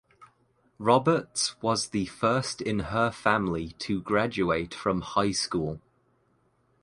Roberts was the first in her family to graduate from high school.